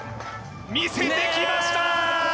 見せてきました！